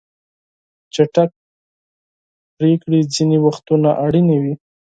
چټک پریکړې ځینې وختونه اړینې وي.